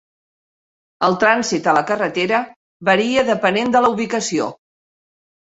El trànsit a la carretera varia depenent de la ubicació.